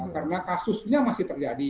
karena kasusnya masih terjadi